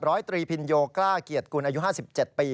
ร้อยตรีพิญโยกล้าเกียรติกุลอายุ๕๗ปี